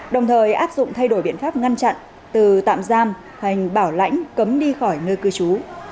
đồng thời áp dụng thay đổi biện pháp ngăn chặn từ tạm giam thành bảo lãnh cấm đi khỏi nơi cư trú